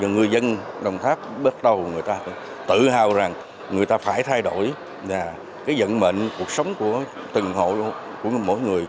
người dân đồng tháp bắt đầu người ta tự hào rằng người ta phải thay đổi cái dân mệnh cuộc sống của từng hội của mỗi người